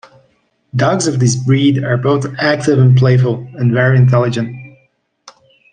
Dogs of this breed are both active and playful, and very intelligent.